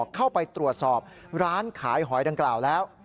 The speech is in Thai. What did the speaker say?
เข้าไปตรวจสอบร้านขายหอยดังกล่าวแล้ว